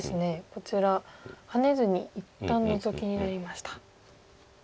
こちらハネずに一旦ノゾキになりました。